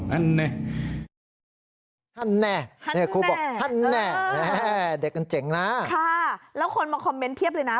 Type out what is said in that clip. หันแหน่หันแหน่เด็กกันเจ๋งนะค่ะแล้วคนมาคอมเมนต์เพียบเลยนะ